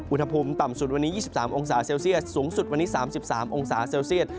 อุณหภูมิต่ำสุดวันนี้๒๓องศาเซลเซียสสูงสุดวันนี้๓๓องศาเซลเซียต